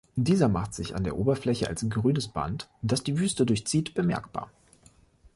Dieser macht sich an der Oberfläche als grünes Band, das die Wüste durchzieht, bemerkbar.